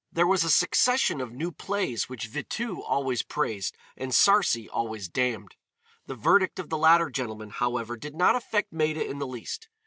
There was a succession of new plays which Vitu always praised and Sarcey always damned. The verdict of the latter gentleman, however, did not affect Maida in the least.